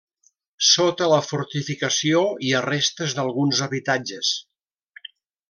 Sota la fortificació hi ha restes d'alguns habitatges.